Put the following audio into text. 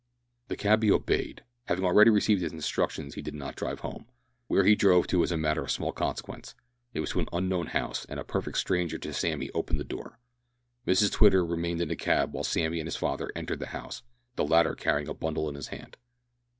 The cabby obeyed. Having already received his instructions he did not drive home. Where he drove to is a matter of small consequence. It was to an unknown house, and a perfect stranger to Sammy opened the door. Mrs Twitter remained in the cab while Sammy and his father entered the house, the latter carrying a bundle in his hand.